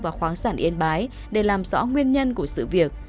và khoáng sản yên bái để làm rõ nguyên nhân của sự việc